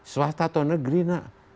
swasta atau negeri nak